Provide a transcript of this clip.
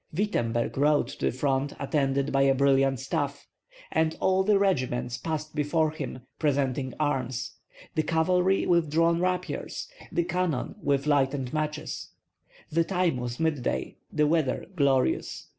Wittemberg rode to the front attended by a brilliant staff, and all the regiments passed before him, presenting arms, the cavalry with drawn rapiers, the cannon with lighted matches. The time was midday; the weather glorious.